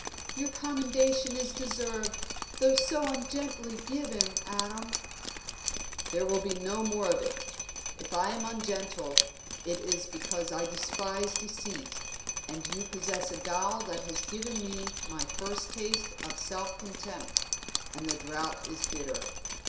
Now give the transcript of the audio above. "Your commendation is deserved, though so ungently given, Adam." "There will be no more of it. If I am ungentle, it is because I despise deceit, and you possess a guile that has given me my first taste of self contempt, and the draught is bitter.